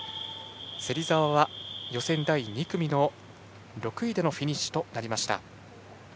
芹澤は予選第２組での６位でのフィニッシュとなりました。